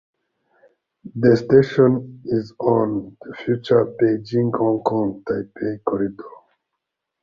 The station is on the future Beijing–Hong Kong (Taipei) corridor.